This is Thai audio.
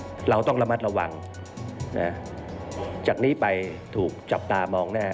เราต้องระมัดระวังนะจากนี้ไปถูกจับตามองแน่